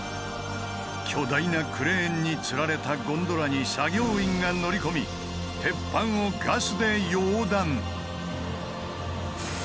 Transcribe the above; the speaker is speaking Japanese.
巨大なクレーンにつられたゴンドラに作業員が乗り込み鉄板をガスで溶断。